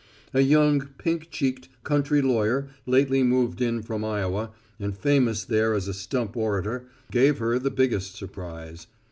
A young, pink cheeked, country lawyer lately moved in from Iowa, and famous there as a stump orator, gave her the biggest surprise.